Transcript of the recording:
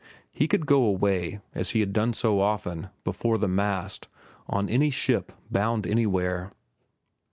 He could go away, as he had done so often, before the mast, on any ship bound anywhere.